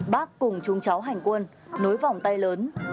bác cùng chung cháu hành quân nối vòng tay lớn